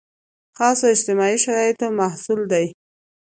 خاصو اجتماعي شرایطو محصول دی.